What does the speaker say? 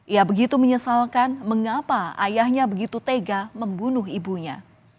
ia begitu menyesalkan mengapa ayahnya begitu tega membunuh ibunya